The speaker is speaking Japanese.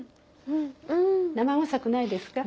生臭くないですか？